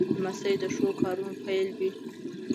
لمسی د ښو کارونو پیل وي.